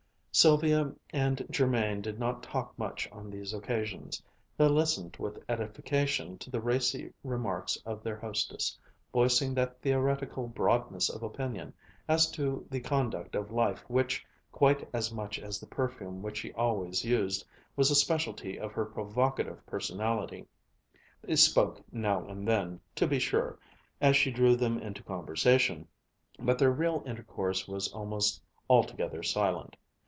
Sylvia and Jermain did not talk much on these occasions. They listened with edification to the racy remarks of their hostess, voicing that theoretical "broadness" of opinion as to the conduct of life which, quite as much as the perfume which she always used, was a specialty of her provocative personality; they spoke now and then, to be sure, as she drew them into conversation, but their real intercourse was almost altogether silent.